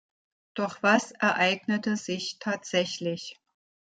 Doch was ereignete sich tatsächlich?